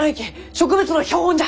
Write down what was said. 植物の標本じゃ！